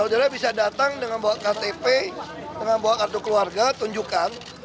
saudara bisa datang dengan bawa ktp dengan bawa kartu keluarga tunjukkan